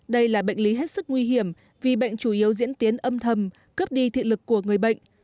đây là bệnh lý hết sức nguy hiểm vì bệnh chủ yếu diễn tiến âm thầm cướp đi thị lực của người bệnh